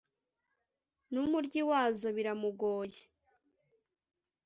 n’umuryi wazo biramugoye